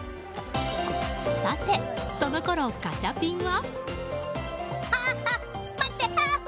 さて、そのころガチャピンは。